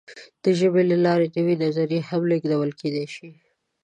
د ژبې له لارې نوې نظریې هم لېږدول کېدی شي.